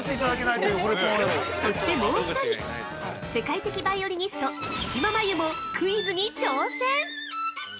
◆そしてもう一人、世界的ヴァイオリニスト木嶋真優もクイズに挑戦！